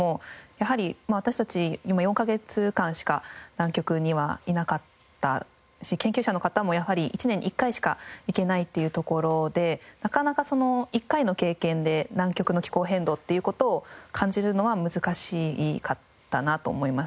やはり私たち４カ月間しか南極にはいなかったし研究者の方もやはり１年に１回しか行けないっていうところでなかなかその１回の経験で南極の気候変動っていう事を感じるのは難しかったなと思います。